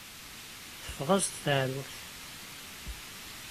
Teffeɣ-as-d teɛrurt.